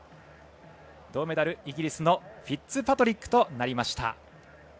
銅メダル、イギリスのフィッツパトリックとなりました。